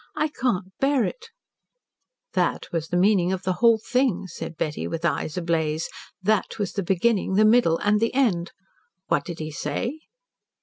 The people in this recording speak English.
I can't bear it.'" "That was the whole meaning of the whole thing," said Betty with eyes ablaze. "That was the beginning, the middle and the end. What did he say?"